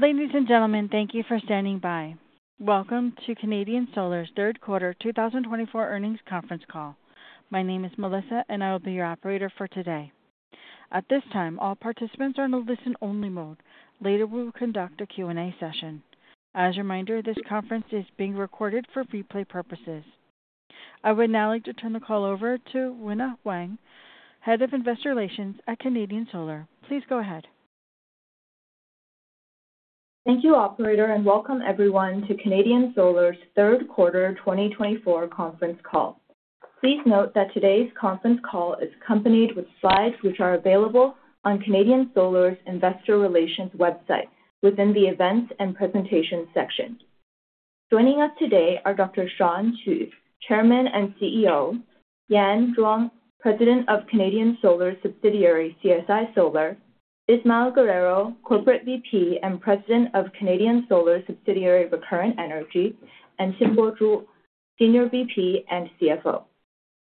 Ladies and gentlemen, thank you for standing by. Welcome to Canadian Solar's third quarter 2024 earnings conference call. My name is Melissa, and I will be your operator for today. At this time, all participants are in a listen-only mode. Later, we will conduct a Q&A session. As a reminder, this conference is being recorded for replay purposes. I would now like to turn the call over to Wina Huang, Head of Investor Relations at Canadian Solar. Please go ahead. Thank you, Operator, and welcome everyone to Canadian Solar's third quarter 2024 conference call. Please note that today's conference call is accompanied with slides which are available on Canadian Solar's Investor Relations website within the Events and Presentations section. Joining us today are Dr. Shawn Qu, Chairman and CEO; Yan Zhuang, President of Canadian Solar Subsidiary CSI Solar; Ismael Guerrero, Corporate VP and President of Canadian Solar Subsidiary Recurrent Energy; and Xinbo Zhu, Senior VP and CFO.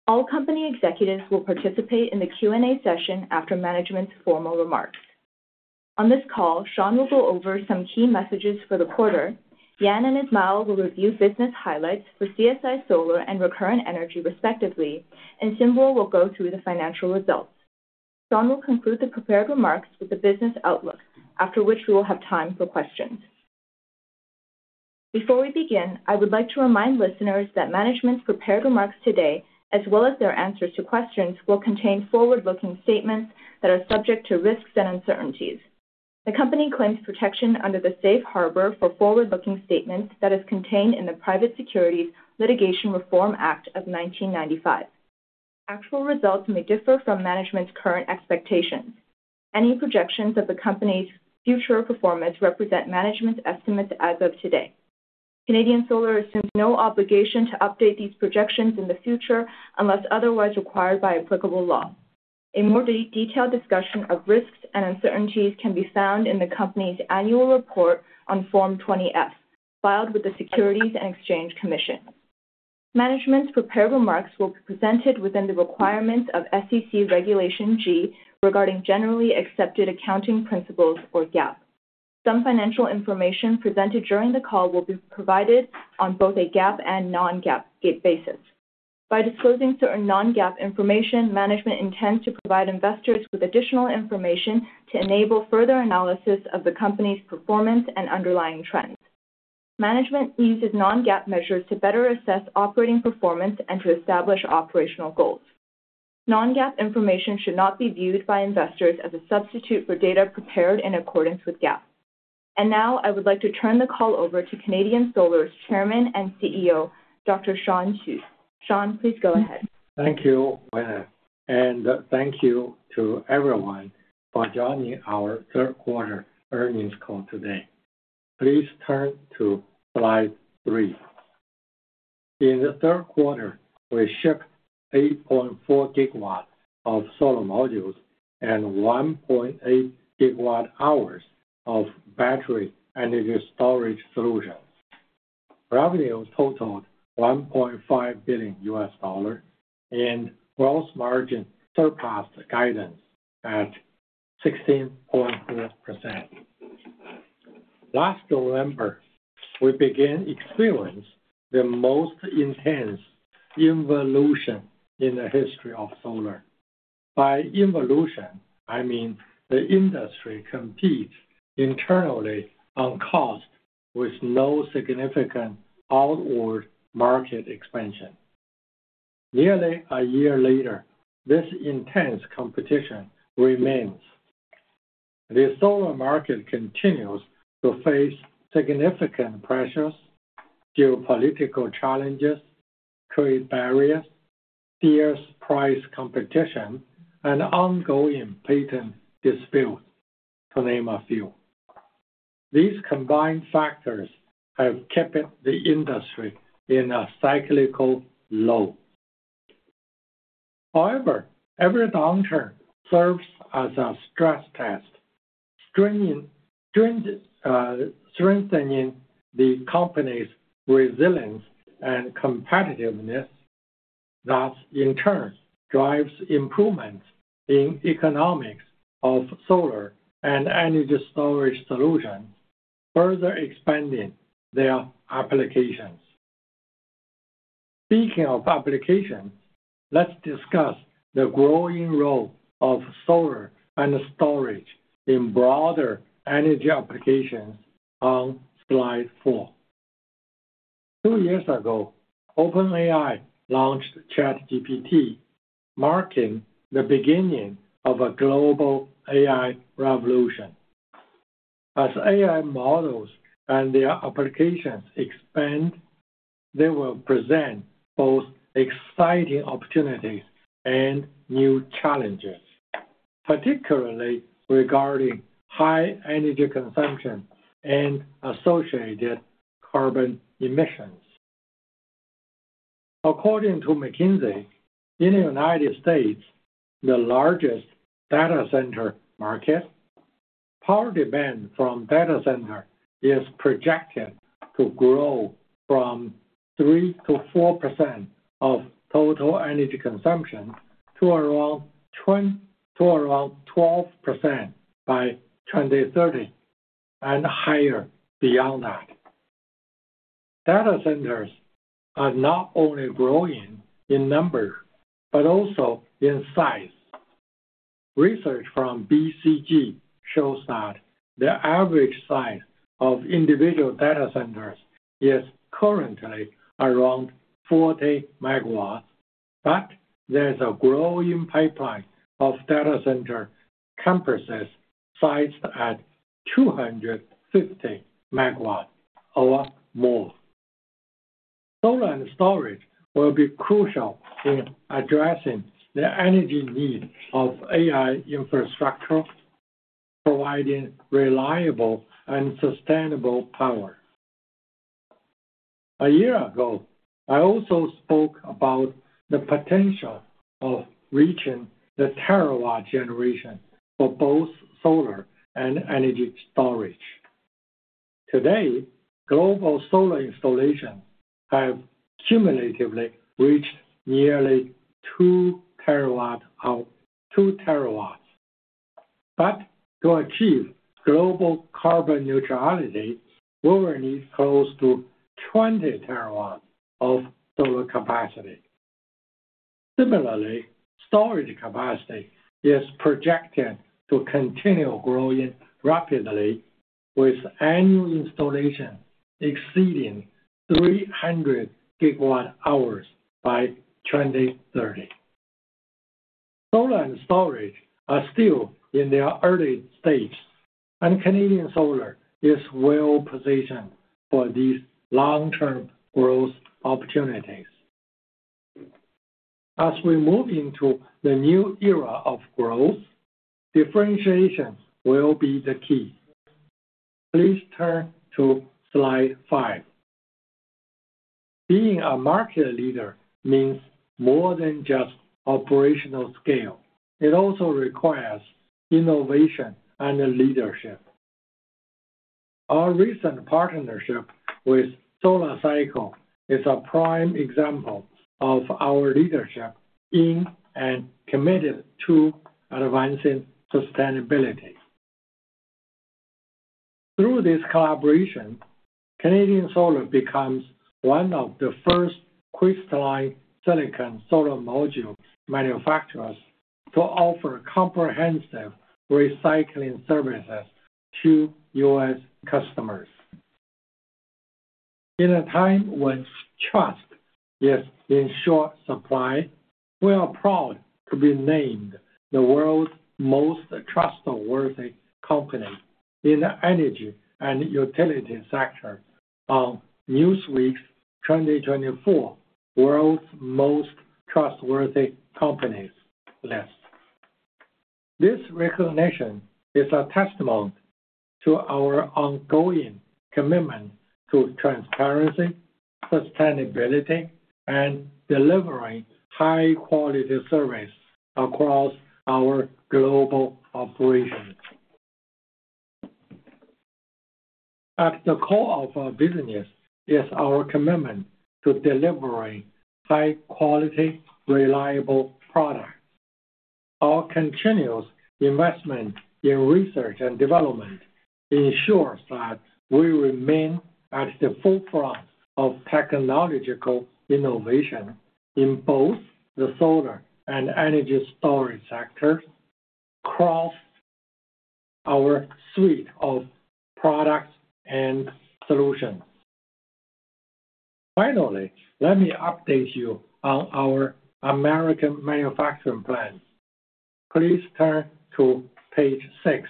All company executives will participate in the Q&A session after management's formal remarks. On this call, Shawn will go over some key messages for the quarter. Yan and Ismael will review business highlights for CSI Solar and Recurrent Energy respectively, and Xinbo will go through the financial results. Shawn will conclude the prepared remarks with the business outlook, after which we will have time for questions. Before we begin, I would like to remind listeners that management's prepared remarks today, as well as their answers to questions, will contain forward-looking statements that are subject to risks and uncertainties. The company claims protection under the Safe Harbor for Forward-Looking Statements that is contained in the Private Securities Litigation Reform Act of 1995. Actual results may differ from management's current expectations. Any projections of the company's future performance represent management's estimates as of today. Canadian Solar assumes no obligation to update these projections in the future unless otherwise required by applicable law. A more detailed discussion of risks and uncertainties can be found in the company's annual report on Form 20-F, filed with the Securities and Exchange Commission. Management's prepared remarks will be presented within the requirements of SEC Regulation G regarding Generally Accepted Accounting Principles, or GAAP. Some financial information presented during the call will be provided on both a GAAP and non-GAAP basis. By disclosing certain non-GAAP information, management intends to provide investors with additional information to enable further analysis of the company's performance and underlying trends. Management uses non-GAAP measures to better assess operating performance and to establish operational goals. Non-GAAP information should not be viewed by investors as a substitute for data prepared in accordance with GAAP. And now, I would like to turn the call over to Canadian Solar's Chairman and CEO, Dr. Shawn Qu. Shawn, please go ahead. Thank you, Wina, and thank you to everyone for joining our third quarter earnings call today. Please turn to slide three. In the third quarter, we shipped 8.4 gigawatts of solar modules and 1.8 gigawatt-hours of battery energy storage solutions. Revenue totaled $1.5 billion, and gross margin surpassed guidance at 16.4%. Last November, we began experiencing the most intense involution in the history of solar. By involution, I mean the industry competes internally on cost with no significant outward market expansion. Nearly a year later, this intense competition remains. The solar market continues to face significant pressures, geopolitical challenges, trade barriers, fierce price competition, and ongoing patent disputes, to name a few. These combined factors have kept the industry in a cyclical low. However, every downturn serves as a stress test, strengthening the company's resilience and competitiveness, thus in turn driving improvements in the economics of solar and energy storage solutions, further expanding their applications. Speaking of applications, let's discuss the growing role of solar and storage in broader energy applications on slide four. Two years ago, OpenAI launched ChatGPT, marking the beginning of a global AI revolution. As AI models and their applications expand, they will present both exciting opportunities and new challenges, particularly regarding high energy consumption and associated carbon emissions. According to McKinsey, in the United States, the largest data center market, power demand from data centers is projected to grow from 3%-4% of total energy consumption to around 12% by 2030 and higher beyond that. Data centers are not only growing in number but also in size. Research from BCG shows that the average size of individual data centers is currently around 40 megawatts, but there's a growing pipeline of data center campuses sized at 250 megawatts or more. Solar and storage will be crucial in addressing the energy needs of AI infrastructure, providing reliable and sustainable power. A year ago, I also spoke about the potential of reaching the terawatt generation for both solar and energy storage. Today, global solar installations have cumulatively reached nearly 2 terawatts, but to achieve global carbon neutrality, we will need close to 20 terawatts of solar capacity. Similarly, storage capacity is projected to continue growing rapidly, with annual installations exceeding 300 gigawatt-hours by 2030. Solar and storage are still in their early stage, and Canadian Solar is well-positioned for these long-term growth opportunities. As we move into the new era of growth, differentiation will be the key. Please turn to slide five. Being a market leader means more than just operational scale. It also requires innovation and leadership. Our recent partnership with SolarCycle is a prime example of our leadership in and commitment to advancing sustainability. Through this collaboration, Canadian Solar becomes one of the first crystalline silicon solar module manufacturers to offer comprehensive recycling services to U.S. customers. In a time when trust is in short supply, we are proud to be named the world's most trustworthy company in the energy and utility sector on Newsweek's 2024 World's Most Trustworthy Companies list. This recognition is a testament to our ongoing commitment to transparency, sustainability, and delivering high-quality service across our global operations. At the core of our business is our commitment to delivering high-quality, reliable products. Our continuous investment in research and development ensures that we remain at the forefront of technological innovation in both the solar and energy storage sectors across our suite of products and solutions. Finally, let me update you on our American manufacturing plan. Please turn to page six.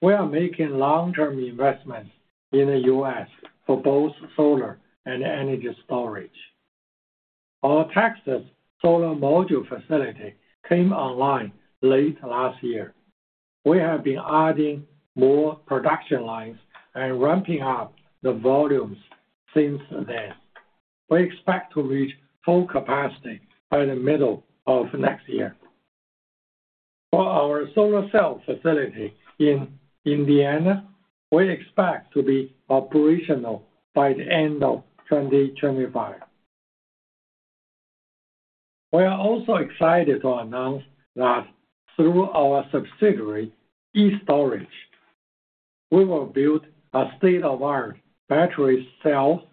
We are making long-term investments in the U.S. for both solar and energy storage. Our Texas solar module facility came online late last year. We have been adding more production lines and ramping up the volumes since then. We expect to reach full capacity by the middle of next year. For our solar cell facility in Indiana, we expect to be operational by the end of 2025. We are also excited to announce that through our subsidiary, e-STORAGE, we will build a state-of-the-art battery cell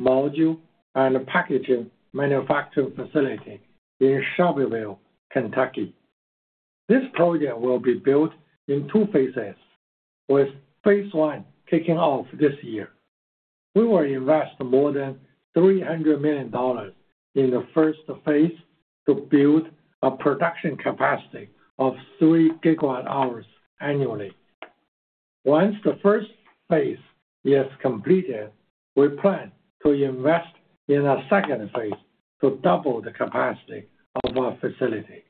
module and packaging manufacturing facility in Shelbyville, Kentucky. This project will be built in two phases, with phase one kicking off this year. We will invest more than $300 million in the first phase to build a production capacity of 3 gigawatt-hours annually. Once the first phase is completed, we plan to invest in a second phase to double the capacity of our facility.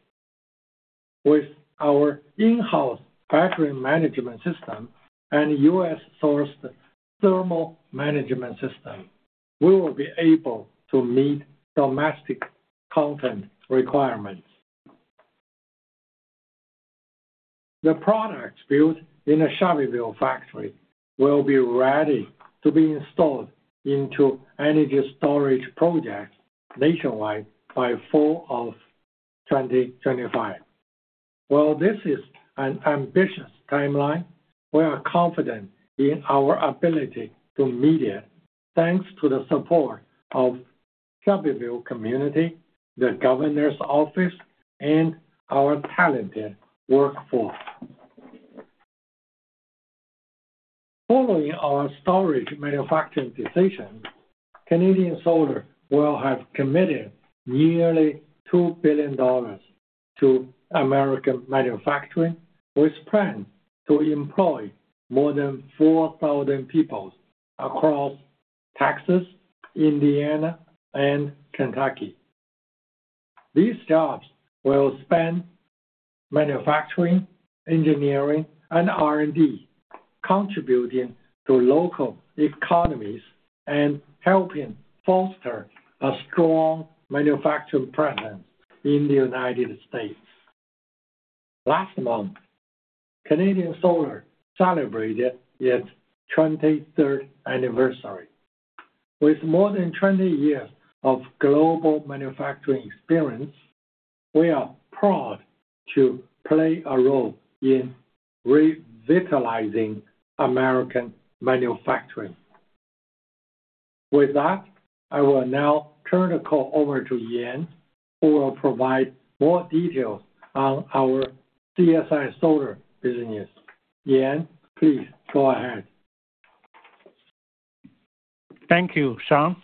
With our in-house battery management system and U.S.-sourced thermal management system, we will be able to meet domestic content requirements. The products built in the Shelbyville factory will be ready to be installed into energy storage projects nationwide by the fall of 2025. While this is an ambitious timeline, we are confident in our ability to meet it thanks to the support of the Shelbyville community, the governor's office, and our talented workforce. Following our storage manufacturing decision, Canadian Solar will have committed nearly $2 billion to American manufacturing, with plans to employ more than 4,000 people across Texas, Indiana, and Kentucky. These jobs will span manufacturing, engineering, and R&D, contributing to local economies and helping foster a strong manufacturing presence in the United States. Last month, Canadian Solar celebrated its 23rd anniversary. With more than 20 years of global manufacturing experience, we are proud to play a role in revitalizing American manufacturing. With that, I will now turn the call over to Yan, who will provide more details on our CSI Solar business. Yan, please go ahead. Thank you, Shawn.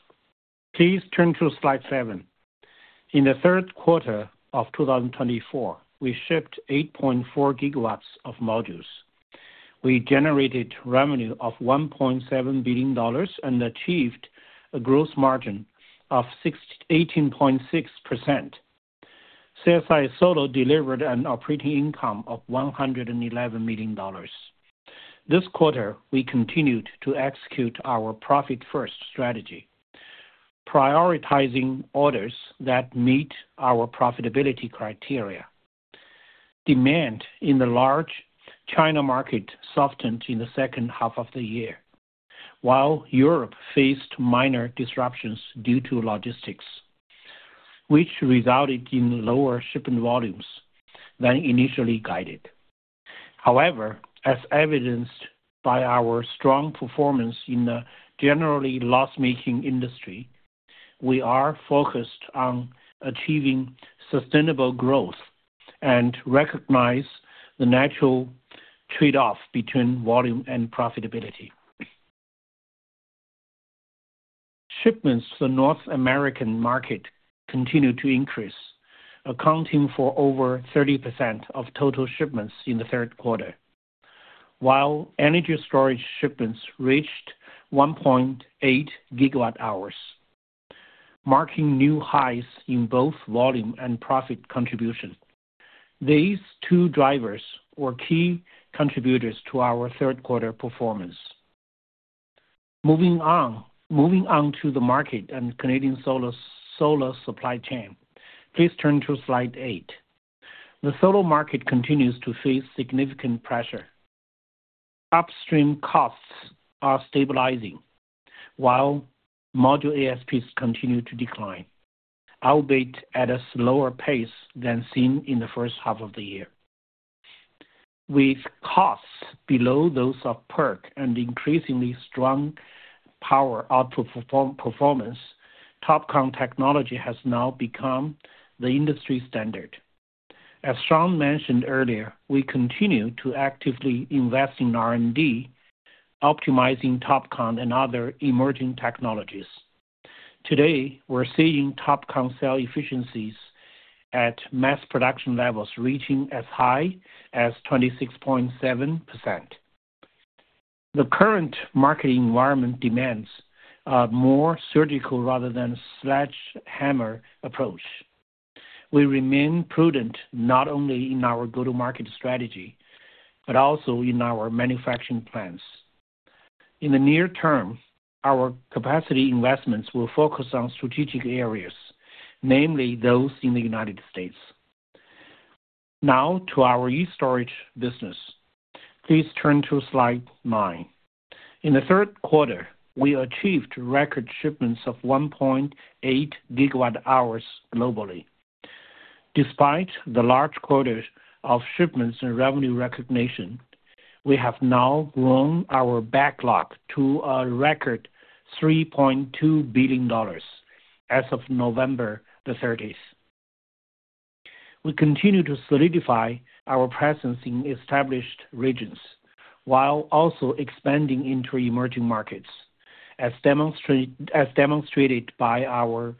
Please turn to slide seven. In the third quarter of 2024, we shipped 8.4 gigawatts of modules. We generated revenue of $1.7 billion and achieved a gross margin of 18.6%. CSI Solar delivered an operating income of $111 million. This quarter, we continued to execute our profit-first strategy, prioritizing orders that meet our profitability criteria. Demand in the large China market softened in the second half of the year, while Europe faced minor disruptions due to logistics, which resulted in lower shipment volumes than initially guided. However, as evidenced by our strong performance in the generally loss-making industry, we are focused on achieving sustainable growth and recognize the natural trade-off between volume and profitability. Shipments to the North American market continued to increase, accounting for over 30% of total shipments in the third quarter, while energy storage shipments reached 1.8 gigawatt-hours, marking new highs in both volume and profit contribution. These two drivers were key contributors to our third-quarter performance. Moving on to the market and Canadian Solar supply chain, please turn to slide eight. The solar market continues to face significant pressure. Upstream costs are stabilizing, while module ASPs continue to decline, albeit at a slower pace than seen in the first half of the year. With costs below those of PERC and increasingly strong power output performance, TOPCon technology has now become the industry standard. As Shawn mentioned earlier, we continue to actively invest in R&D, optimizing TOPCon and other emerging technologies. Today, we're seeing TOPCon cell efficiencies at mass production levels reaching as high as 26.7%. The current market environment demands a more surgical rather than sledgehammer approach. We remain prudent not only in our go-to-market strategy but also in our manufacturing plans. In the near term, our capacity investments will focus on strategic areas, namely those in the United States. Now, to our e-STORAGE business. Please turn to slide nine. In the third quarter, we achieved record shipments of 1.8 gigawatt-hours globally. Despite the large quota of shipments and revenue recognition, we have now grown our backlog to a record $3.2 billion as of November the 30th. We continue to solidify our presence in established regions while also expanding into emerging markets, as demonstrated by our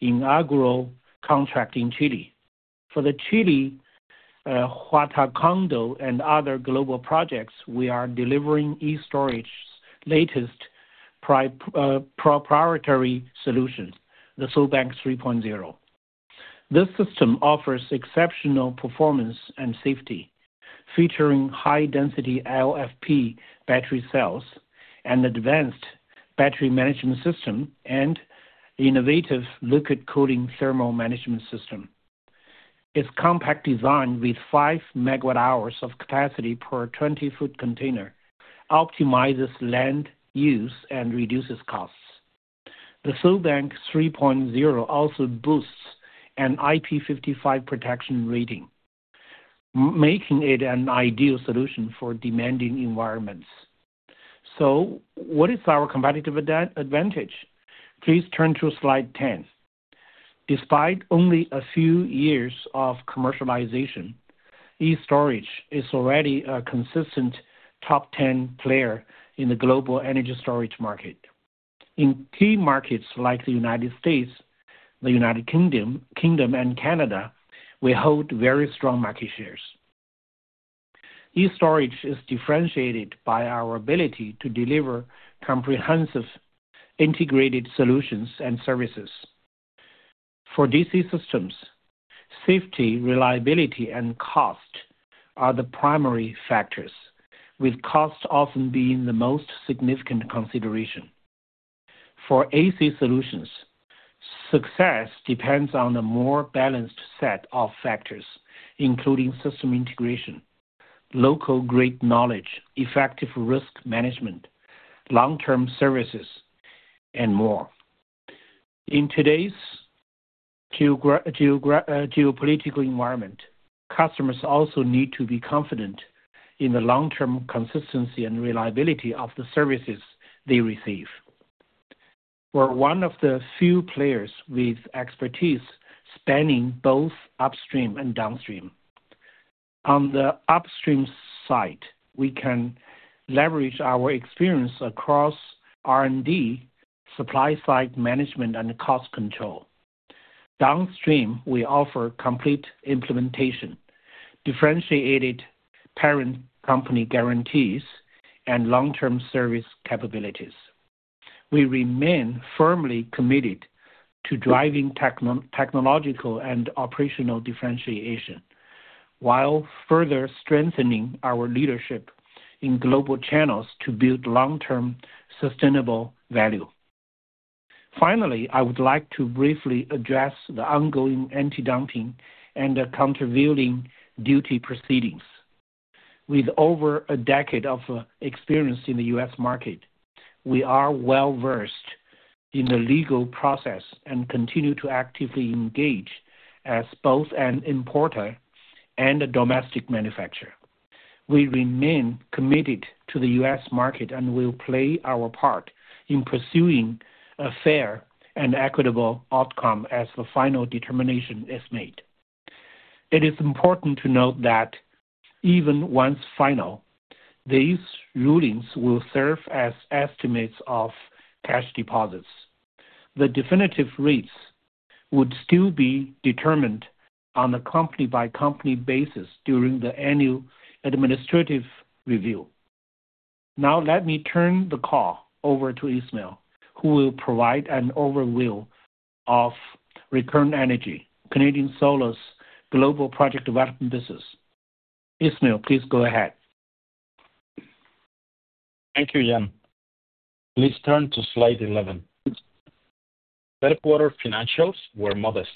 inaugural contract in Chile. For the Chile, Huatacondo and other global projects, we are delivering e-STORAGE's latest proprietary solution, the SolBank 3.0. This system offers exceptional performance and safety, featuring high-density LFP battery cells and advanced battery management system and innovative liquid cooling thermal management system. Its compact design, with five megawatt-hours of capacity per 20-foot container, optimizes land use and reduces costs. The SolBank 3.0 also boasts an IP55 protection rating, making it an ideal solution for demanding environments. So, what is our competitive advantage? Please turn to slide 10. Despite only a few years of commercialization, E-Storage is already a consistent top-10 player in the global energy storage market. In key markets like the United States, the United Kingdom, and Canada, we hold very strong market shares. E-Storage is differentiated by our ability to deliver comprehensive integrated solutions and services. For DC systems, safety, reliability, and cost are the primary factors, with cost often being the most significant consideration. For AC solutions, success depends on a more balanced set of factors, including system integration, local grid knowledge, effective risk management, long-term services, and more. In today's geopolitical environment, customers also need to be confident in the long-term consistency and reliability of the services they receive. We're one of the few players with expertise spanning both upstream and downstream. On the upstream side, we can leverage our experience across R&D, supply-side management, and cost control. Downstream, we offer complete implementation, differentiated parent company guarantees, and long-term service capabilities. We remain firmly committed to driving technological and operational differentiation while further strengthening our leadership in global channels to build long-term sustainable value. Finally, I would like to briefly address the ongoing anti-dumping and the countervailing duty proceedings. With over a decade of experience in the U.S. market, we are well-versed in the legal process and continue to actively engage as both an importer and a domestic manufacturer. We remain committed to the U.S. market and will play our part in pursuing a fair and equitable outcome as the final determination is made. It is important to note that even once final, these rulings will serve as estimates of cash deposits. The definitive rates would still be determined on a company-by-company basis during the annual administrative review. Now, let me turn the call over to Ismael, who will provide an overview of Recurrent Energy, Canadian Solar's global project development business. Ismael, please go ahead. Thank you, Yan. Please turn to slide 11. Third-quarter financials were modest.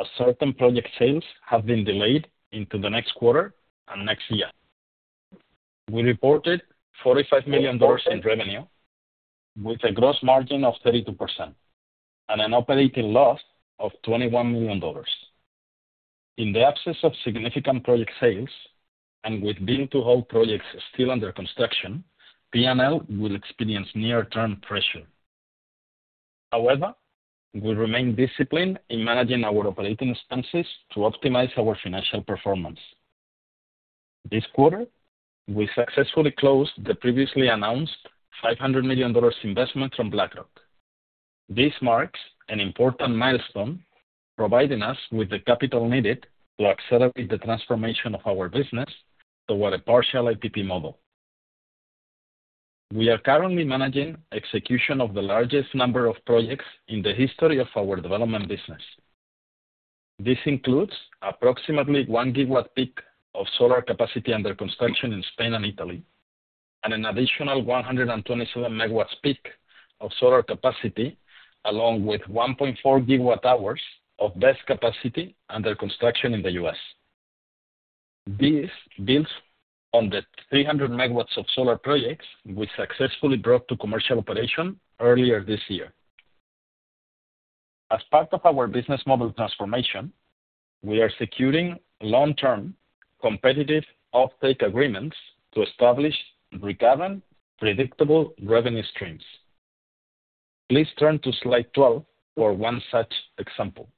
A certain project sales have been delayed into the next quarter and next year. We reported $45 million in revenue, with a gross margin of 32% and an operating loss of $21 million. In the absence of significant project sales and with build-to-hold projects still under construction, P&L will experience near-term pressure. However, we remain disciplined in managing our operating expenses to optimize our financial performance. This quarter, we successfully closed the previously announced $500 million investment from BlackRock. This marks an important milestone, providing us with the capital needed to accelerate the transformation of our business toward a partial IPP model. We are currently managing execution of the largest number of projects in the history of our development business. This includes approximately one gigawatt peak of solar capacity under construction in Spain and Italy, and an additional 127 megawatts peak of solar capacity, along with 1.4 gigawatt-hours of BESS capacity under construction in the U.S. This builds on the 300 megawatts of solar projects we successfully brought to commercial operation earlier this year. As part of our business model transformation, we are securing long-term competitive offtake agreements to establish recurrent, predictable revenue streams. Please turn to slide 12 for one such example.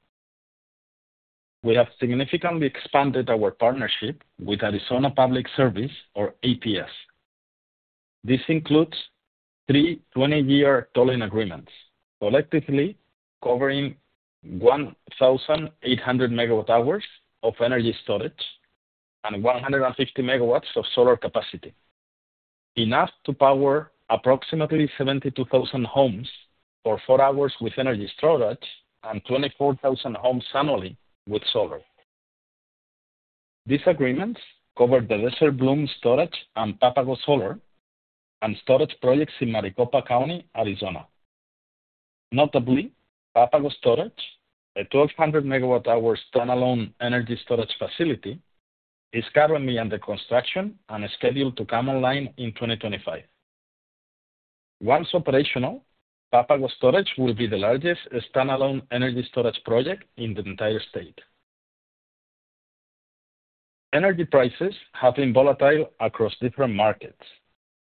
We have significantly expanded our partnership with Arizona Public Service, or APS. This includes three 20-year tolling agreements, collectively covering 1,800 megawatt-hours of energy storage and 150 megawatts of solar capacity, enough to power approximately 72,000 homes for four hours with energy storage and 24,000 homes annually with solar. These agreements cover the Desert Bloom Storage and Papago Solar and Storage projects in Maricopa County, Arizona. Notably, Papago Storage, a 1,200 megawatt-hour standalone energy storage facility, is currently under construction and is scheduled to come online in 2025. Once operational, Papago Storage will be the largest standalone energy storage project in the entire state. Energy prices have been volatile across different markets.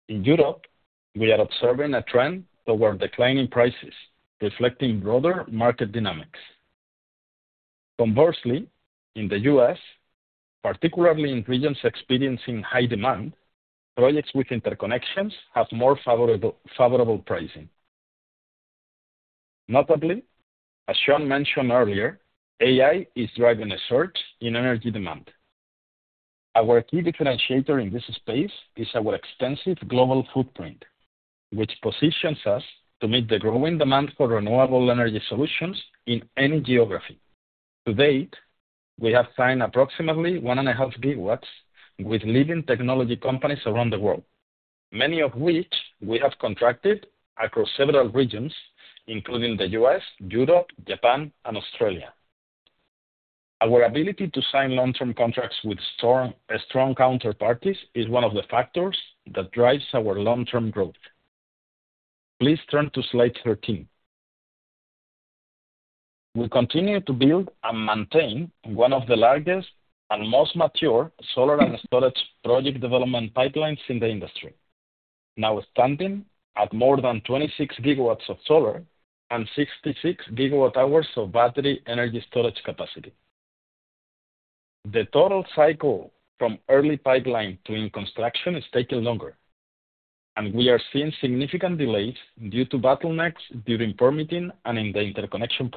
In Europe, we are observing a trend toward declining prices, reflecting broader market dynamics. Conversely, in the U.S., particularly in regions experiencing high demand, projects with interconnections have more favorable pricing. Notably, as Shawn mentioned earlier, AI is driving a surge in energy demand. Our key differentiator in this space is our extensive global footprint, which positions us to meet the growing demand for renewable energy solutions in any geography. To date, we have signed approximately 1.5 gigawatts with leading technology companies around the world, many of which we have contracted across several regions, including the U.S., Europe, Japan, and Australia. Our ability to sign long-term contracts with strong counterparties is one of the factors that drives our long-term growth. Please turn to slide 13. We continue to build and maintain one of the largest and most mature solar and storage project development pipelines in the industry, now standing at more than 26 gigawatts of solar and 66 gigawatt-hours of battery energy storage capacity. The total cycle from early pipeline to in-construction is taking longer, and we are seeing significant delays due to bottlenecks during permitting and in the interconnection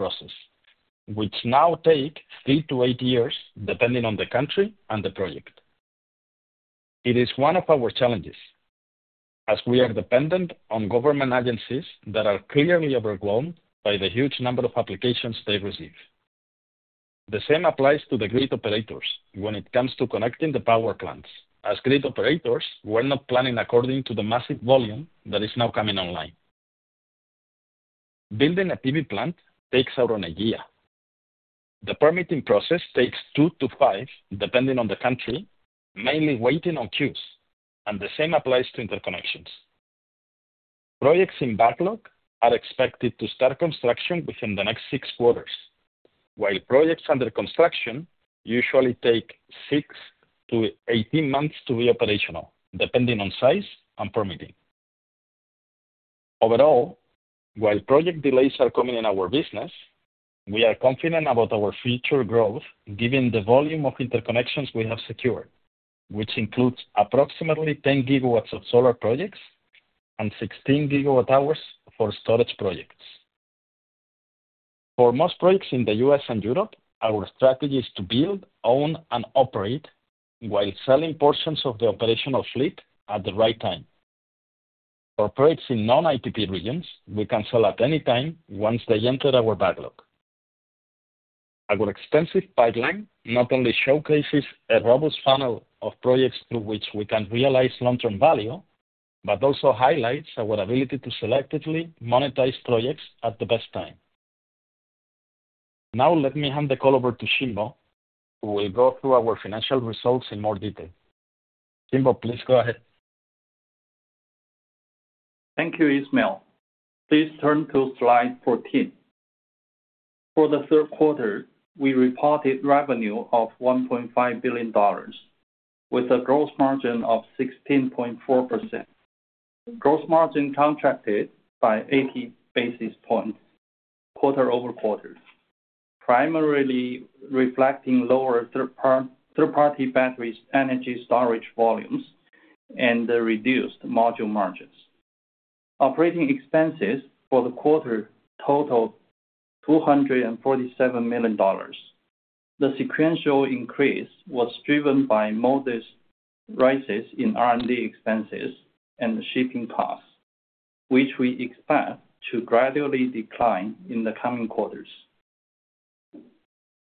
process, which now take 3 to 8 years, depending on the country and the project. It is one of our challenges, as we are dependent on government agencies that are clearly overwhelmed by the huge number of applications they receive. The same applies to the grid operators when it comes to connecting the power plants, as grid operators were not planning according to the massive volume that is now coming online. Building a PV plant takes around a year. The permitting process takes two to five, depending on the country, mainly waiting on queues, and the same applies to interconnections. Projects in backlog are expected to start construction within the next six quarters, while projects under construction usually take six to 18 months to be operational, depending on size and permitting. Overall, while project delays are coming in our business, we are confident about our future growth, given the volume of interconnections we have secured, which includes approximately 10 gigawatts of solar projects and 16 gigawatt-hours for storage projects. For most projects in the U.S. and Europe, our strategy is to build, own, and operate while selling portions of the operational fleet at the right time. For projects in non-IPP regions, we can sell at any time once they enter our backlog. Our extensive pipeline not only showcases a robust funnel of projects through which we can realize long-term value, but also highlights our ability to selectively monetize projects at the best time. Now, let me hand the call over to Xinbo, who will go through our financial results in more detail. Xinbo, please go ahead. Thank you, Ismael. Please turn to slide 14. For the third quarter, we reported revenue of $1.5 billion, with a gross margin of 16.4%. Gross margin contracted by 80 basis points quarter over quarter, primarily reflecting lower third-party battery energy storage volumes and reduced module margins. Operating expenses for the quarter totaled $247 million. The sequential increase was driven by modest rises in R&D expenses and shipping costs, which we expect to gradually decline in the coming quarters.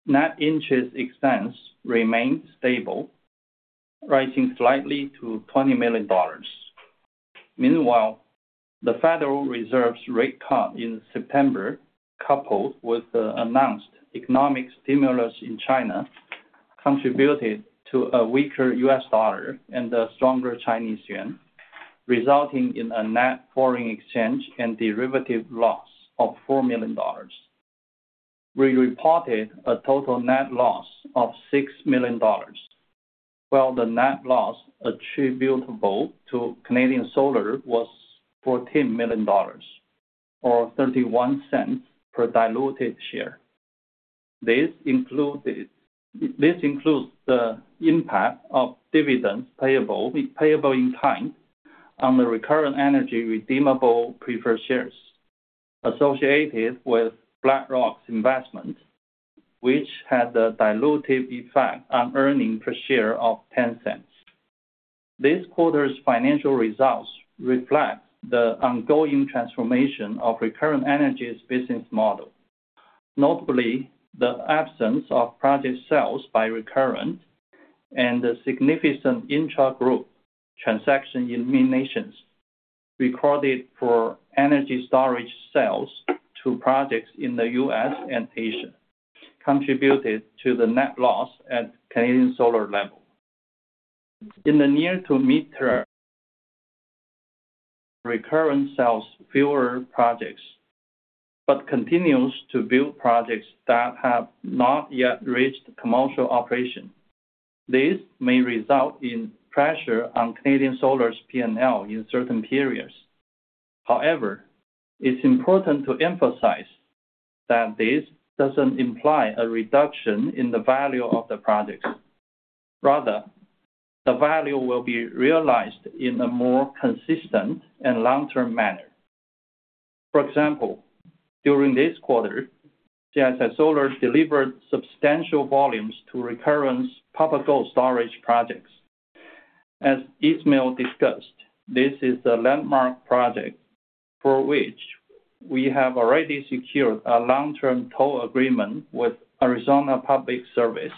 Net interest expense remained stable, rising slightly to $20 million. Meanwhile, the Federal Reserve's rate cut in September, coupled with the announced economic stimulus in China, contributed to a weaker U.S. dollar and a stronger Chinese yuan, resulting in a net foreign exchange and derivative loss of $4 million. We reported a total net loss of $6 million, while the net loss attributable to Canadian Solar was $14 million, or $0.31 per diluted share. This includes the impact of dividends payable in kind on the Recurrent Energy redeemable preferred shares associated with BlackRock's investment, which had a dilutive effect on earnings per share of $0.10. This quarter's financial results reflect the ongoing transformation of Recurrent Energy's business model, notably the absence of project sales by Recurrent and the significant intragroup transaction eliminations recorded for energy storage sales to projects in the U.S. and Asia contributed to the net loss at Canadian Solar level. In the near-term, Recurrent sells fewer projects but continues to build projects that have not yet reached commercial operation. This may result in pressure on Canadian Solar's P&L in certain periods. However, it's important to emphasize that this doesn't imply a reduction in the value of the projects. Rather, the value will be realized in a more consistent and long-term manner. For example, during this quarter, CSI Solar delivered substantial volumes to Recurrent Papago Storage projects. As Ismael discussed, this is a landmark project for which we have already secured a long-term toll agreement with Arizona Public Service.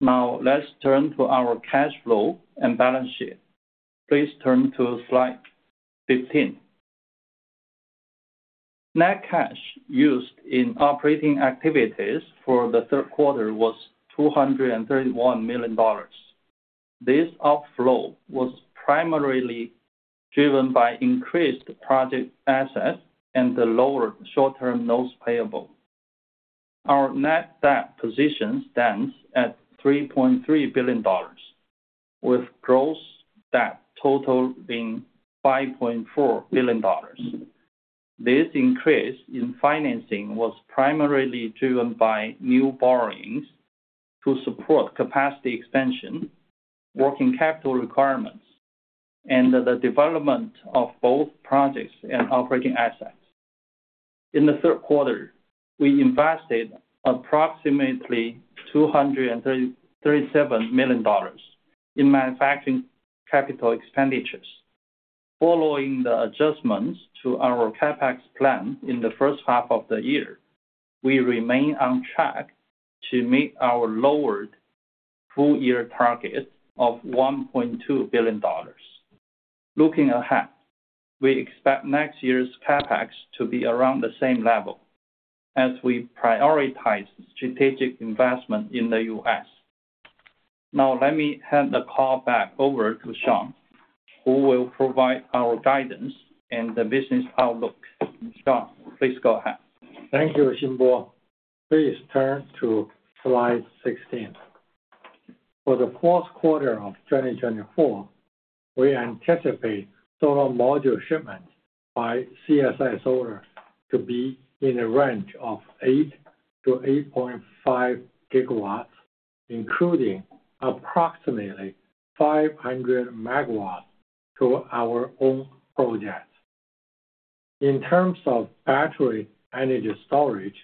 Now, let's turn to our cash flow and balance sheet. Please turn to slide 15. Net cash used in operating activities for the third quarter was $231 million. This outflow was primarily driven by increased project assets and the lower short-term notes payable. Our net debt position stands at $3.3 billion, with gross debt total being $5.4 billion. This increase in financing was primarily driven by new borrowings to support capacity expansion, working capital requirements, and the development of both projects and operating assets. In the third quarter, we invested approximately $237 million in manufacturing capital expenditures. Following the adjustments to our CapEx plan in the first half of the year, we remain on track to meet our lowered full-year target of $1.2 billion. Looking ahead, we expect next year's CapEx to be around the same level, as we prioritize strategic investment in the U.S. Now, let me hand the call back over to Shawn, who will provide our guidance and the business outlook. Shawn, please go ahead. Thank you, Xinbo. Please turn to slide 16. For the fourth quarter of 2024, we anticipate solar module shipment by CSI Solar to be in the range of 8-8.5 gigawatts, including approximately 500 megawatts to our own projects. In terms of battery energy storage,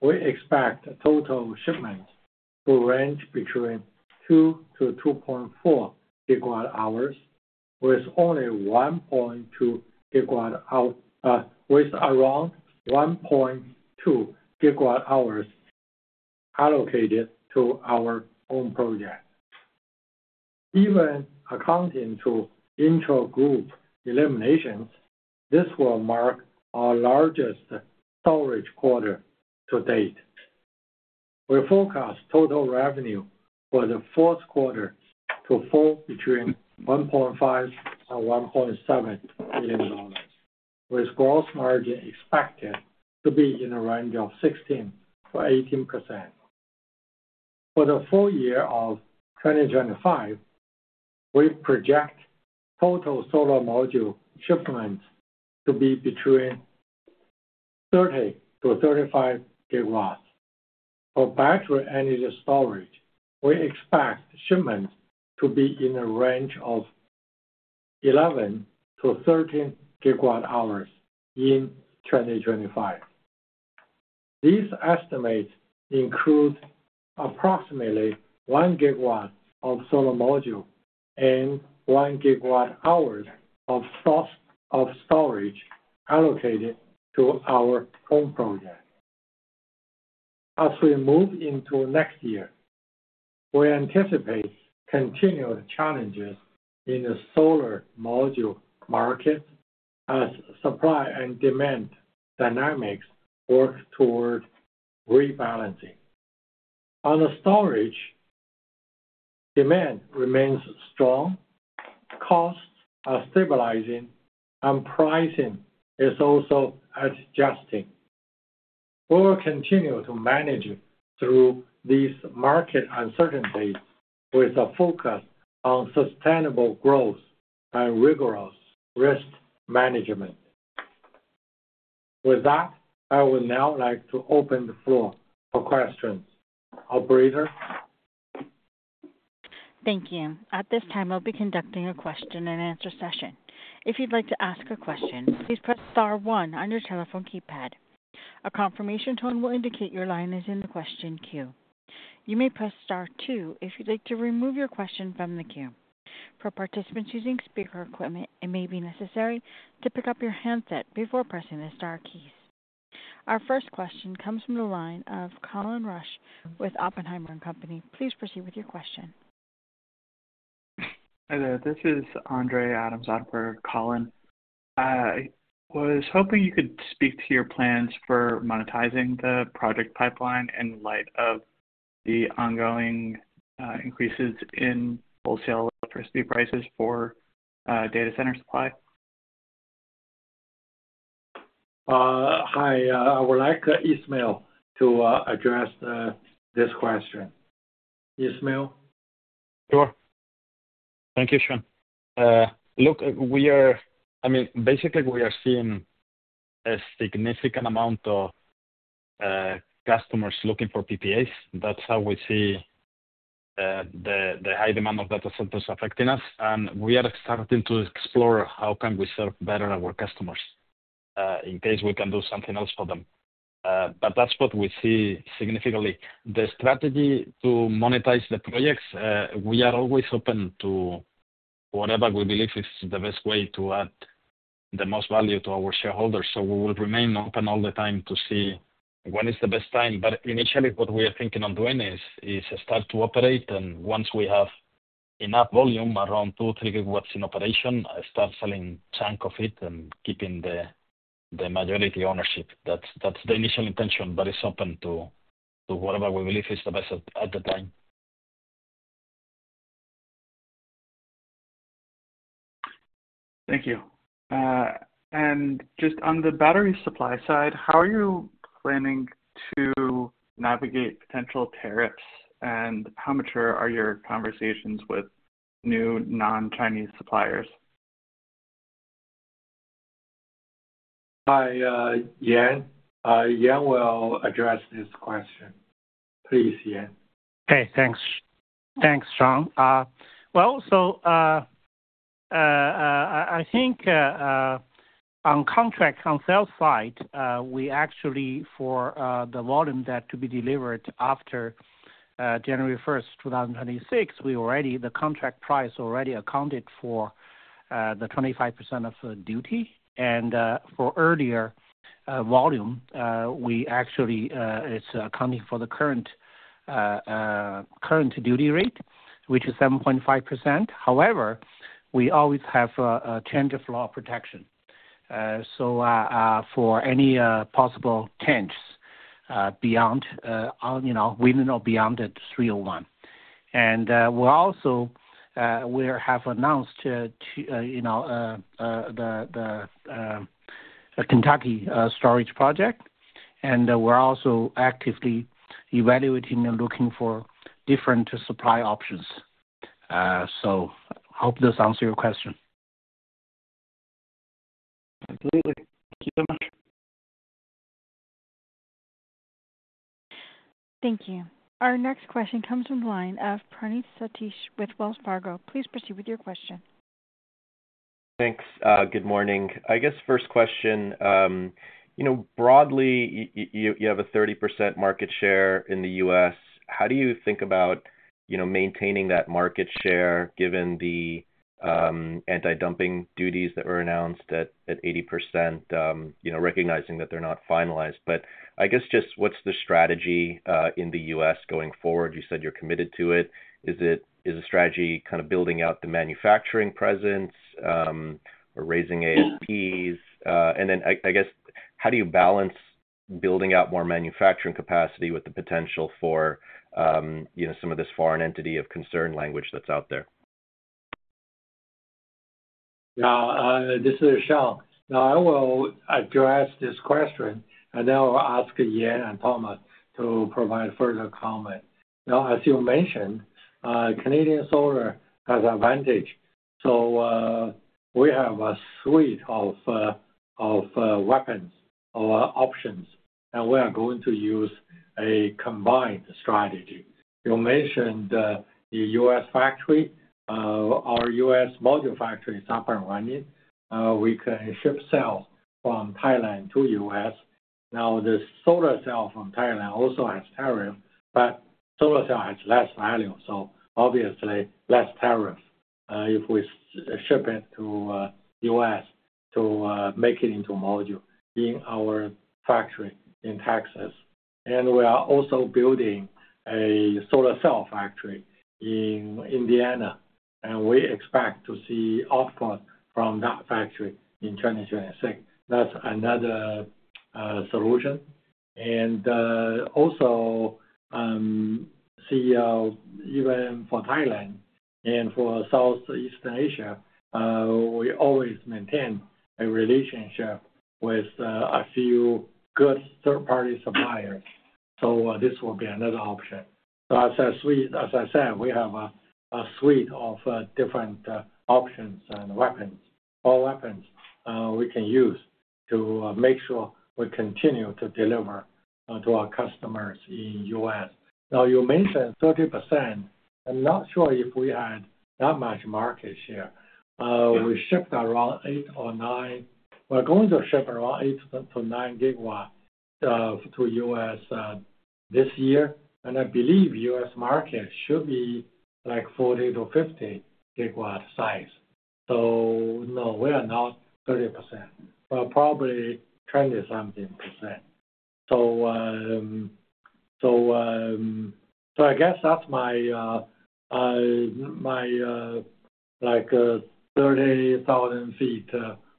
we expect total shipment to range between 2-2.4 gigawatt-hours, with around 1.2 gigawatt-hours allocated to our own projects. Even accounting for intragroup eliminations, this will mark our largest storage quarter to date. We forecast total revenue for the fourth quarter to fall between $1.5 and $1.7 billion, with gross margin expected to be in the range of 16%-18%. For the full year of 2025, we project total solar module shipment to be between 30-35 gigawatts. For battery energy storage, we expect shipment to be in the range of 11-13 gigawatt-hours in 2025. These estimates include approximately one gigawatt of solar module and one gigawatt-hours of storage allocated to our own projects. As we move into next year, we anticipate continued challenges in the solar module market as supply and demand dynamics work toward rebalancing. On the storage, demand remains strong, costs are stabilizing, and pricing is also adjusting. We will continue to manage through these market uncertainties with a focus on sustainable growth and rigorous risk management. With that, I would now like to open the floor for questions. Operator. Thank you. At this time, I'll be conducting a question-and-answer session. If you'd like to ask a question, please press star 1 on your telephone keypad. A confirmation tone will indicate your line is in the question queue. You may press star 2 if you'd like to remove your question from the queue. For participants using speaker equipment, it may be necessary to pick up your handset before pressing the star keys. Our first question comes from the line of Colin Rusch with Oppenheimer & Company. Please proceed with your question. Hi there. This is Andre Adams at Oppenheimer. I was hoping you could speak to your plans for monetizing the project pipeline in light of the ongoing increases in wholesale electricity prices for data center supply. Hi. I would like Ismael to address this question. Ismael? Sure. Thank you, Shawn. Look, we are, I mean, basically, we are seeing a significant amount of customers looking for PPAs. That's how we see the high demand of data centers affecting us, and we are starting to explore how can we serve better our customers in case we can do something else for them, but that's what we see significantly. The strategy to monetize the projects, we are always open to whatever we believe is the best way to add the most value to our shareholders, so we will remain open all the time to see when is the best time. But initially, what we are thinking on doing is start to operate, and once we have enough volume, around two, three gigawatts in operation, start selling a chunk of it and keeping the majority ownership. That's the initial intention, but it's open to whatever we believe is the best at the time. Thank you. And just on the battery supply side, how are you planning to navigate potential tariffs, and how mature are your conversations with new non-Chinese suppliers? Hi, Yan. Yan will address this question. Please, Yan. Hey, thanks. Thanks, Shawn. Well, so I think on contract on sales side, we actually, for the volume that to be delivered after January 1st, 2026, we already—the contract price already accounted for the 25% of duty. And for earlier volume, we actually—it's accounting for the current duty rate, which is 7.5%. However, we always have a change of law protection. So for any possible change beyond—we know beyond 301. And we also—we have announced the Kentucky storage project, and we're also actively evaluating and looking for different supply options. So I hope this answers your question. Completely. Thank you so much. Thank you. Our next question comes from the line of Praneeth Satish with Wells Fargo. Please proceed with your question. Thanks. Good morning. I guess first question, broadly, you have a 30% market share in the U.S. How do you think about maintaining that market share given the anti-dumping duties that were announced at 80%, recognizing that they're not finalized? But I guess just what's the strategy in the U.S. going forward? You said you're committed to it. Is the strategy kind of building out the manufacturing presence or raising ASPs? And then I guess how do you balance building out more manufacturing capacity with the potential for some of this foreign entity of concern language that's out there? Now, this is Shawn. Now, I will address this question, and then I'll ask Yan and Thomas to provide further comment. Now, as you mentioned, Canadian Solar has advantage. So we have a suite of weapons or options, and we are going to use a combined strategy. You mentioned the U.S. factory. Our U.S. module factory is up and running. We can ship cells from Thailand to the U.S. Now, the solar cell from Thailand also has tariffs, but solar cell has less value. So obviously, less tariffs if we ship it to the U.S. to make it into module in our factory in Texas. And we are also building a solar cell factory in Indiana, and we expect to see output from that factory in 2026. That's another solution. And also, even for Thailand and for Southeast Asia, we always maintain a relationship with a few good third-party suppliers. So this will be another option. So as I said, we have a suite of different options and weapons, all weapons we can use to make sure we continue to deliver to our customers in the U.S. Now, you mentioned 30%. I'm not sure if we had that much market share. We shipped around eight or nine. We're going to ship around eight to nine gigawatts to the U.S. this year. And I believe the U.S. market should be like 40 to 50 gigawatts size. So no, we are not 30%, but probably 20-something%. So I guess that's my 30,000-foot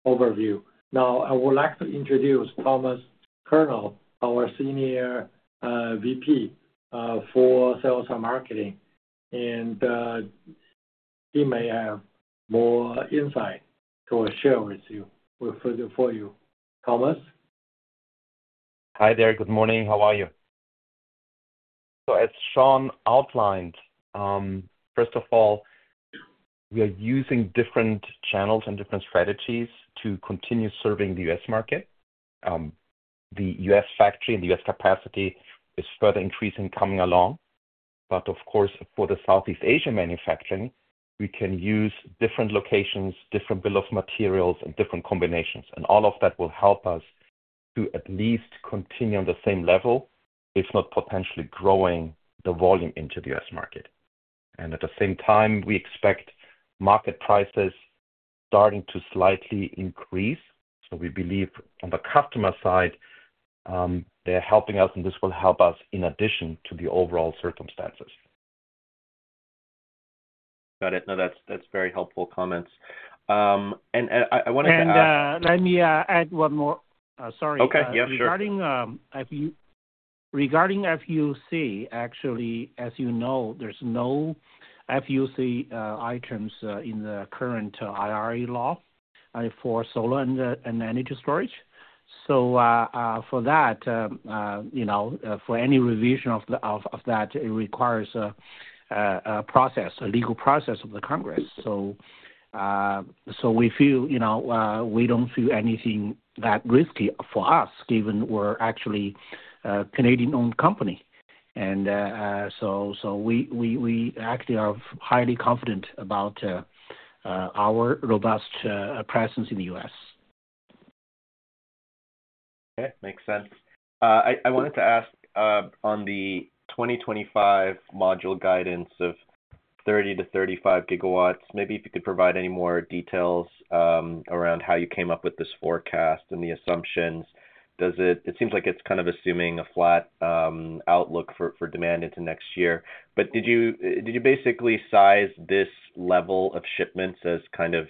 overview. Now, I would like to introduce Thomas Koerner, our senior VP for sales and marketing. And he may have more insight to share with you for you. Thomas? Hi there. Good morning. How are you? So as Shawn outlined, first of all, we are using different channels and different strategies to continue serving the U.S. market. The U.S. factory and the U.S. capacity is further increasing coming along. But of course, for the Southeast Asian manufacturing, we can use different locations, different bill of materials, and different combinations. And all of that will help us to at least continue on the same level, if not potentially growing the volume into the U.S. market. And at the same time, we expect market prices starting to slightly increase. So we believe on the customer side, they're helping us, and this will help us in addition to the overall circumstances. Got it. No, that's very helpful comments. And I wanted to ask. And let me add one more. Sorry. Okay. Yeah. Sure. Regarding FEOC, actually, as you know, there's no FEOC items in the current IRA law for solar and energy storage. So for that, for any revision of that, it requires a process, a legal process of the Congress. So we don't feel anything that risky for us, given we're actually a Canadian-owned company. And so we actually are highly confident about our robust presence in the U.S. Okay. Makes sense. I wanted to ask on the 2025 module guidance of 30 to 35 gigawatts, maybe if you could provide any more details around how you came up with this forecast and the assumptions. It seems like it's kind of assuming a flat outlook for demand into next year. But did you basically size this level of shipments as kind of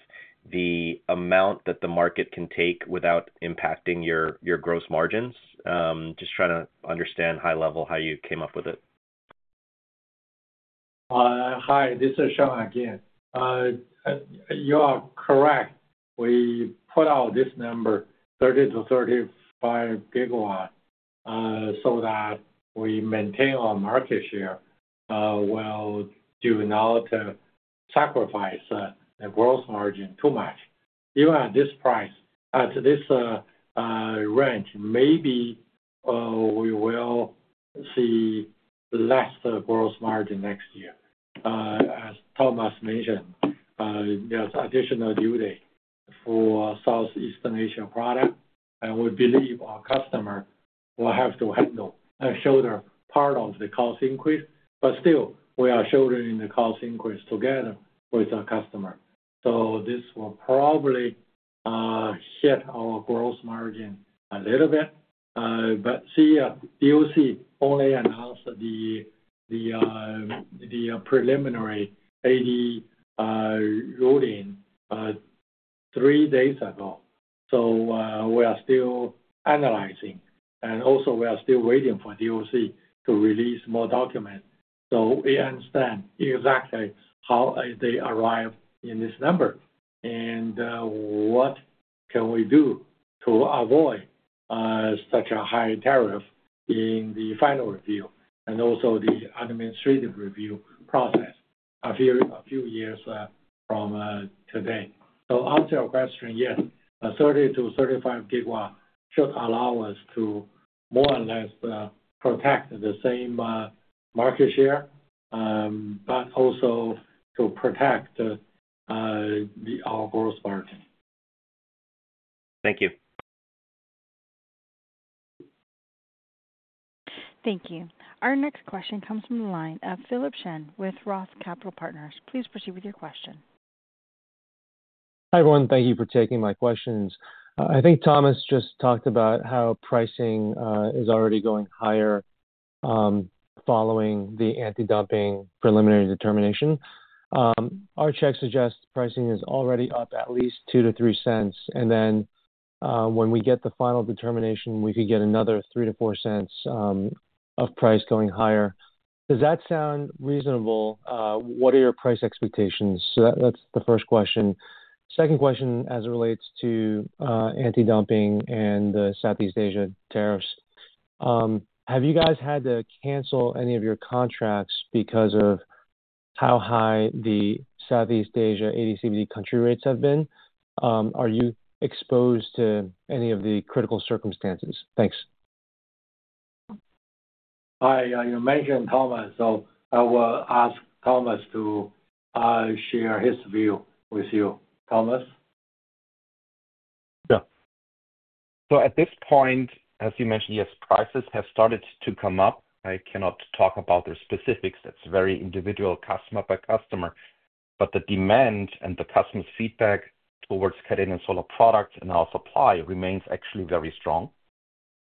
the amount that the market can take without impacting your gross margins? Just trying to understand high-level how you came up with it? Hi. This is Shawn again. You are correct. We put out this number, 30-35 gigawatts, so that we maintain our market share while do not sacrifice the gross margin too much. Even at this price, at this range, maybe we will see less gross margin next year. As Thomas mentioned, there's additional duty for Southeast Asia product. And we believe our customer will have to handle and shoulder part of the cost increase. But still, we are shouldering the cost increase together with our customer. So this will probably hit our gross margin a little bit. But see, DOC only announced the preliminary 80 ruling three days ago. So we are still analyzing. And also, we are still waiting for DOC to release more documents. We understand exactly how they arrived at this number and what we can do to avoid such a high tariff in the final review and also the administrative review process a few years from today. To answer your question, yes, 30-35 gigawatts should allow us to more or less protect the same market share, but also to protect our gross margin. Thank you. Thank you. Our next question comes from the line of Philip Shen with Roth Capital Partners. Please proceed with your question. Hi everyone. Thank you for taking my questions. I think Thomas just talked about how pricing is already going higher following the anti-dumping preliminary determination. Our checks suggest pricing is already up at least 2-3 cents. And then when we get the final determination, we could get another 3-4 cents of price going higher. Does that sound reasonable? What are your price expectations? So that's the first question. Second question as it relates to anti-dumping and the Southeast Asia tariffs. Have you guys had to cancel any of your contracts because of how high the Southeast Asia AD/CVD country rates have been? Are you exposed to any of the critical circumstances? Thanks. Hi. You mentioned Thomas. So I will ask Thomas to share his view with you. Thomas? Sure. So at this point, as you mentioned, yes, prices have started to come up. I cannot talk about the specifics. That's very individual customer by customer. But the demand and the customer's feedback towards Canadian Solar products and our supply remains actually very strong.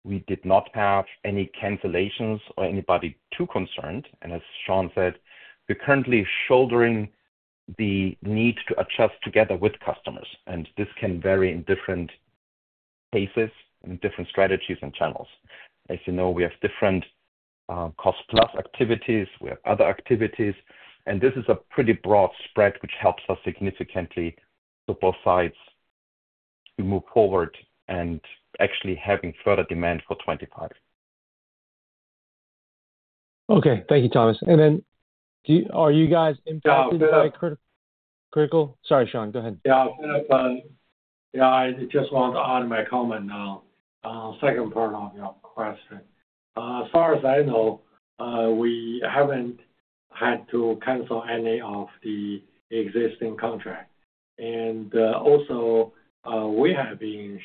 We did not have any cancellations or anybody too concerned. And as Shawn said, we're currently shouldering the need to adjust together with customers. And this can vary in different cases and different strategies and channels. As you know, we have different cost-plus activities. We have other activities. And this is a pretty broad spread, which helps us significantly to both sides to move forward and actually having further demand for 25. Okay. Thank you, Thomas. And then are you guys impacted by critical? Yeah. Sorry, Shawn. Go ahead. Yeah. Yeah. I just want to add my comment now, second part of your question. As far as I know, we haven't had to cancel any of the existing contracts. And also, we have been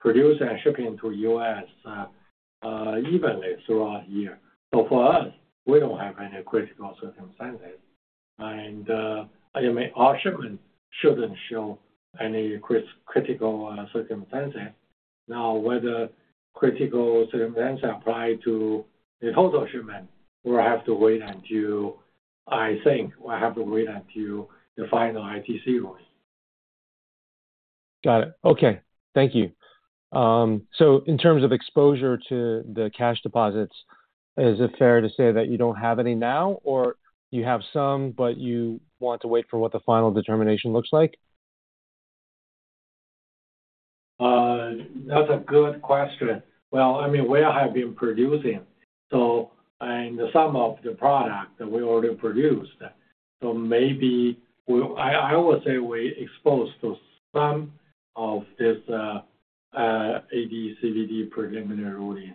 producing and shipping to the U.S. evenly throughout the year. So for us, we don't have any critical circumstances. And our shipment shouldn't show any critical circumstances. Now, whether critical circumstances apply to the total shipment, we'll have to wait until I think we'll have to wait until the final ITC ruling. Got it. Okay. Thank you. So in terms of exposure to the cash deposits, is it fair to say that you don't have any now, or you have some, but you want to wait for what the final determination looks like? That's a good question. Well, I mean, we have been producing. And some of the product that we already produced. So maybe I would say we're exposed to some of this AD/CVD preliminary ruling.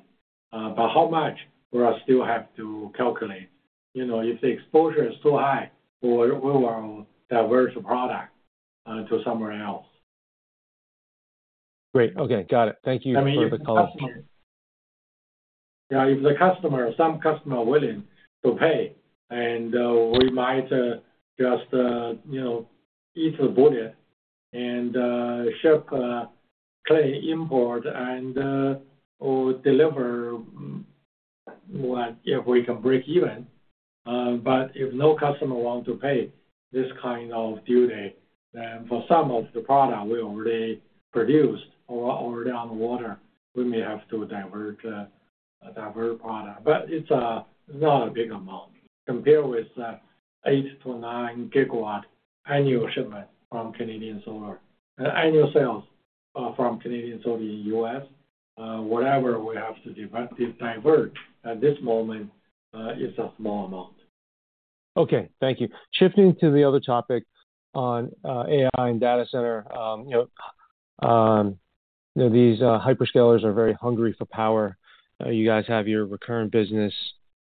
But how much we still have to calculate? If the exposure is too high, we will divert the product to somewhere else. Great. Okay. Got it. Thank you for the color. Yeah. If some customer is willing to pay, and we might just eat the bullet and ship clean import and deliver if we can break even. But if no customer wants to pay this kind of duty, then for some of the product we already produced or already on the water, we may have to divert product. But it's not a big amount compared with eight to nine gigawatt annual shipment from Canadian Solar and annual sales from Canadian Solar in the U.S. Whatever we have to divert at this moment is a small amount. Okay. Thank you. Shifting to the other topic on AI and data center, these hyperscalers are very hungry for power. You guys have your recurring business.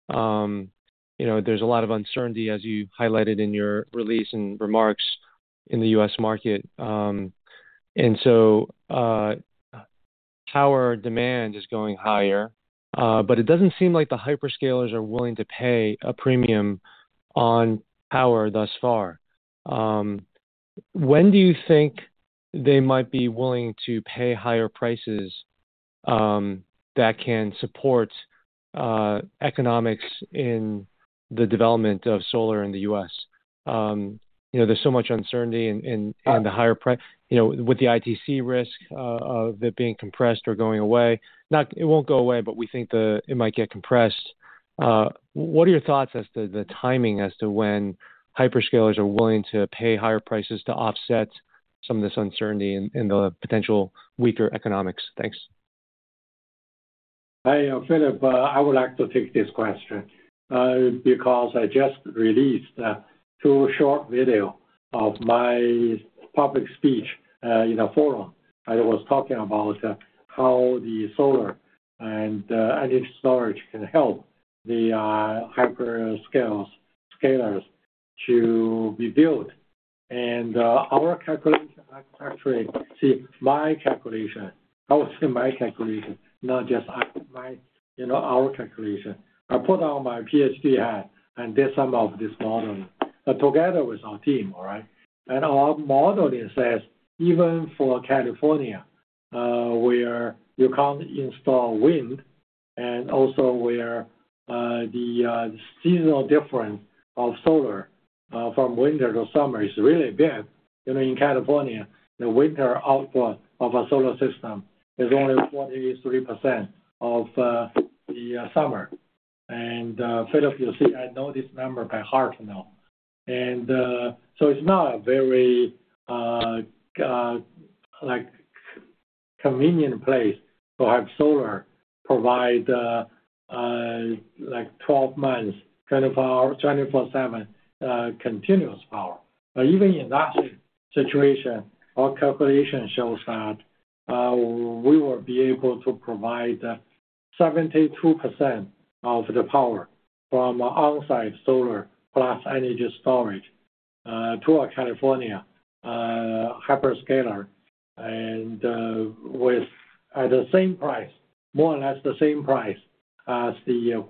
There's a lot of uncertainty, as you highlighted in your release and remarks, in the U.S. market. And so power demand is going higher. But it doesn't seem like the hyperscalers are willing to pay a premium on power thus far. When do you think they might be willing to pay higher prices that can support economics in the development of solar in the U.S.? There's so much uncertainty in the higher price with the ITC risk of it being compressed or going away. It won't go away, but we think it might get compressed. What are your thoughts as to the timing as to when hyperscalers are willing to pay higher prices to offset some of this uncertainty in the potential weaker economics? Thanks. Hi, Philip. I would like to take this question because I just released a short video of my public speech in a forum that I was talking about how the solar and energy storage can help the hyperscalers to be built, and our calculation actually see, my calculation. I will say my calculation, not just our calculation. I put on my Ph.D. hat and did some of this modeling together with our team, all right? And our modeling says, even for California, where you can't install wind, and also where the seasonal difference of solar from winter to summer is really big, in California, the winter output of a solar system is only 43% of the summer, and Philip, you see, I know this number by heart now, and so it's not a very convenient place to have solar provide 12 months 24/7 continuous power. But even in that situation, our calculation shows that we will be able to provide 72% of the power from onsite solar plus energy storage to a California hyperscaler at the same price, more or less the same price as the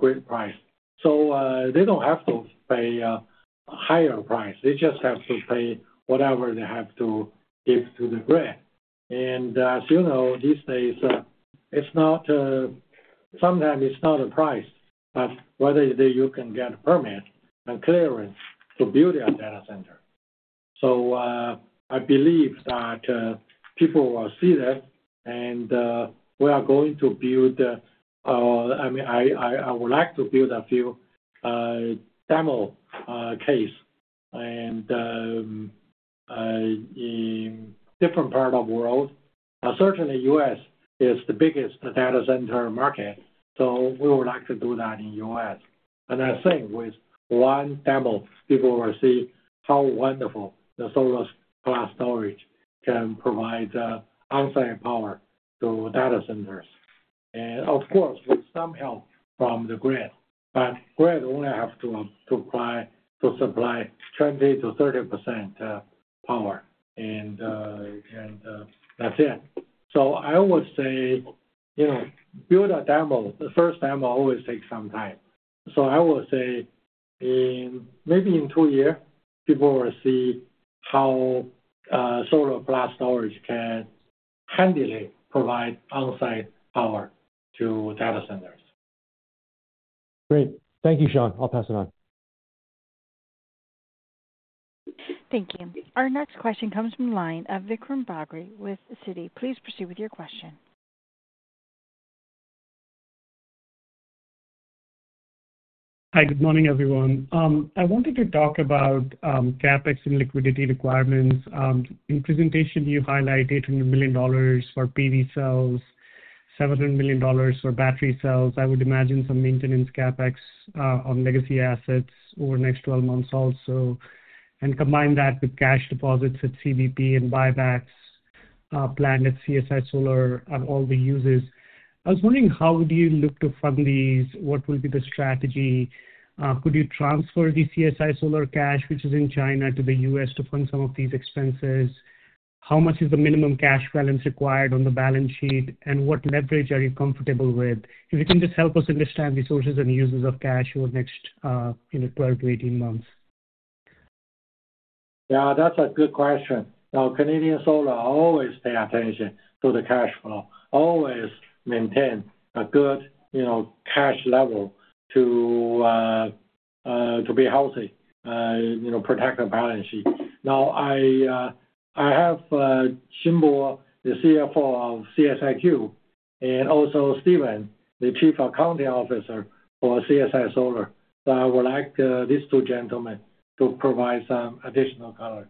grid price. So they don't have to pay a higher price. They just have to pay whatever they have to give to the grid. And as you know, these days, sometimes it's not a price, but whether you can get a permit and clearance to build a data center. So I believe that people will see this, and we are going to build, I mean, I would like to build a few demo case in different parts of the world. Certainly, U.S. is the biggest data center market. So we would like to do that in the U.S. I think with one demo, people will see how wonderful the solar-class storage can provide onsite power to data centers. And of course, with some help from the grid. But grid only have to supply 20%-30% power. And that's it. So I would say build a demo. The first demo always takes some time. So I will say maybe in two years, people will see how solar-class storage can handily provide onsite power to data centers. Great. Thank you, Shawn. I'll pass it on. Thank you. Our next question comes from the line of Vikram Bagri with Citi. Please proceed with your question. Hi. Good morning, everyone. I wanted to talk about CapEx and liquidity requirements. In presentation, you highlighted $800 million for PV cells, $700 million for battery cells. I would imagine some maintenance CapEx on legacy assets over the next 12 months, also, and combine that with cash deposits at CBP and buybacks planned at CSI Solar, on all the uses. I was wondering how do you look to fund these? What will be the strategy? Could you transfer the CSI Solar cash, which is in China, to the U.S. to fund some of these expenses? How much is the minimum cash balance required on the balance sheet, and what leverage are you comfortable with? If you can just help us understand the sources and uses of cash over the next 12 to 18 months. Yeah. That's a good question. Now, Canadian Solar always pay attention to the cash flow, always maintain a good cash level to be healthy, protect the balance sheet. Now, I have Xinbo Zhu, the CFO of CSIQ, and also Steven Ma, the Chief Accounting Officer for CSI Solar. So I would like these two gentlemen to provide some additional color.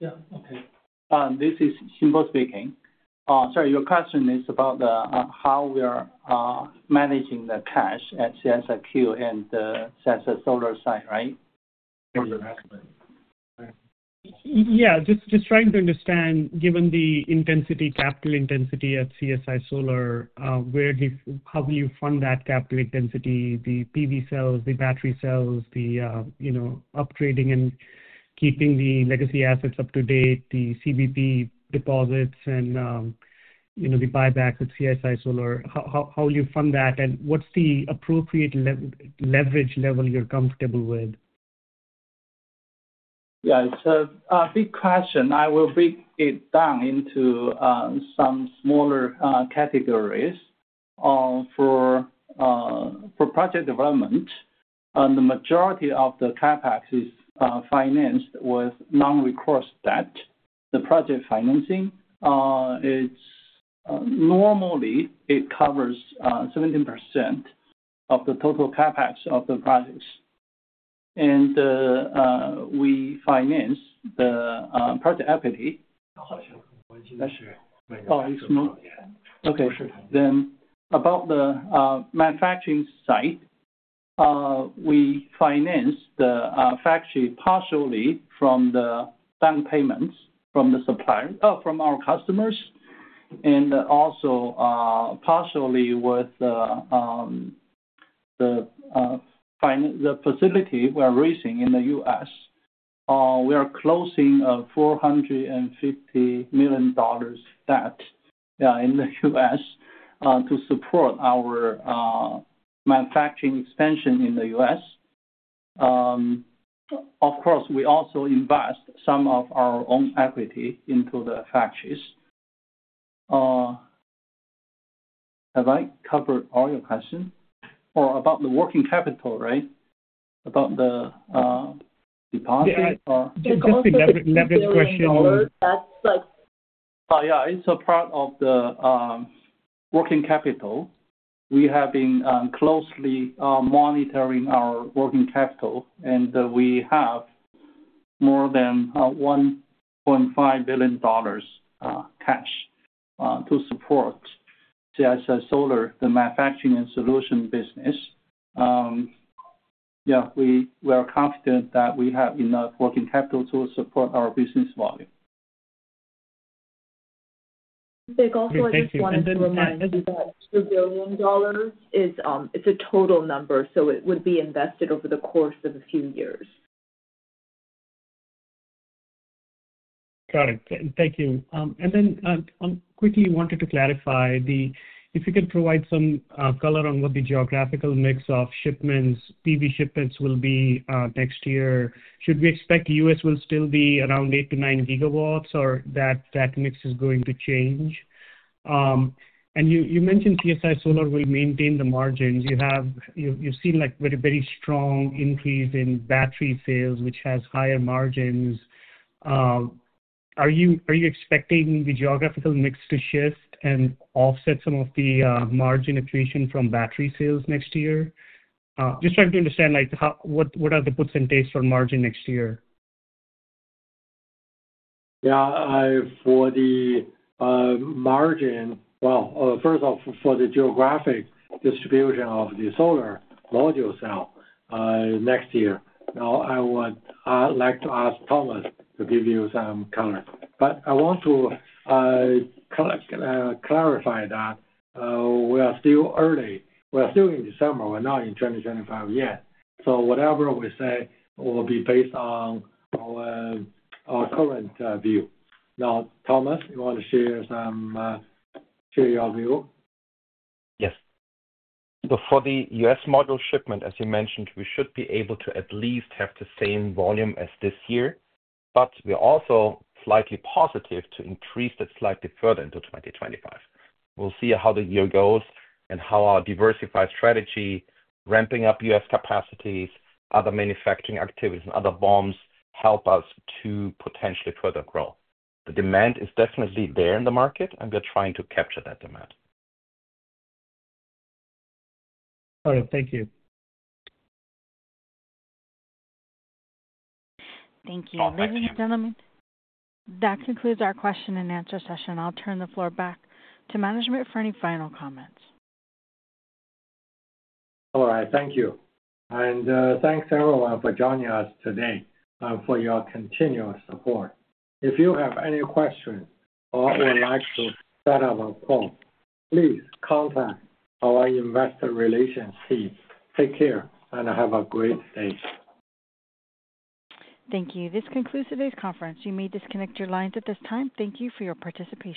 Yeah. Okay. This is Xinbo Zhu speaking. Sorry, your question is about how we are managing the cash at CSIQ and CSI Solar side, right? Yeah. Just trying to understand, given the capital intensity at CSI Solar, how will you fund that capital intensity, the PV cells, the battery cells, the upgrading and keeping the legacy assets up to date, the CBP deposits, and the buybacks at CSI Solar? How will you fund that? And what's the appropriate leverage level you're comfortable with? Yeah. It's a big question. I will break it down into some smaller categories. For project development, the majority of the CapEx is financed with non-recourse debt. The project financing, normally, it covers 17% of the total CapEx of the projects, and we finance the project equity. Oh, it's small. Yeah. Okay. Then about the manufacturing site, we finance the factory partially from the bank payments from our customers and also partially with the facility we are raising in the U.S. We are closing a $450 million debt in the U.S. to support our manufacturing expansion in the U.S. Of course, we also invest some of our own equity into the factories. Have I covered all your questions? Or about the working capital, right? About the deposit or? Yeah. Just a leverage question. It's a part of the working capital. We have been closely monitoring our working capital. And we have more than $1.5 billion cash to support CSI Solar, the manufacturing and solution business. Yeah. We are confident that we have enough working capital to support our business volume. Vic, also I just wanted to remind you that $2 billion is a total number. So it would be invested over the course of a few years. Got it. Thank you, and then quickly wanted to clarify, if you could provide some color on what the geographical mix of PV shipments will be next year. Should we expect the U.S. will still be around eight to nine gigawatts, or that mix is going to change? And you mentioned CSI Solar will maintain the margins. You've seen a very strong increase in battery sales, which has higher margins. Are you expecting the geographical mix to shift and offset some of the margin accretion from battery sales next year? Just trying to understand what are the percentages for margin next year? Yeah. For the margin, well, first of all, for the geographic distribution of the solar module sales next year, now I would like to ask Thomas to give you some color. But I want to clarify that we are still early. We are still in December. We're not in 2025 yet. So whatever we say will be based on our current view. Now, Thomas, you want to share your view? Yes. So for the U.S. module shipment, as you mentioned, we should be able to at least have the same volume as this year. But we're also slightly positive to increase it slightly further into 2025. We'll see how the year goes and how our diversified strategy, ramping up U.S. capacities, other manufacturing activities, and other BOMs help us to potentially further grow. The demand is definitely there in the market, and we're trying to capture that demand. All right. Thank you. Thank you. Ladies and gentlemen, that concludes our question-and-answer session. I'll turn the floor back to management for any final comments. All right. Thank you. And thanks everyone for joining us today and for your continued support. If you have any questions or would like to set up a call, please contact our investor relations team. Take care and have a great day. Thank you. This concludes today's conference. You may disconnect your lines at this time. Thank you for your participation.